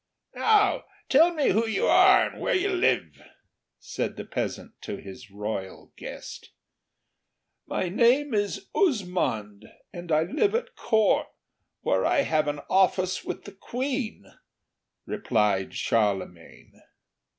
"Now tell me who you are, and where you live?" said the peasant to his royal guest. "My name is Uzmond, and I live at Court, where I have an office with the Queen," replied Charlemagne.